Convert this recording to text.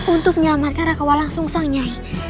untuk menyelamatkan raka walang sung sang nyai